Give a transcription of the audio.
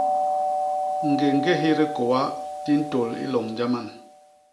Ñgéñgéhi dikôa di ntôl i loñ jaman.